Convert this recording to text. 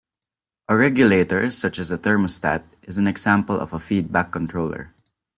A regulator such as a thermostat is an example of a feedback controller.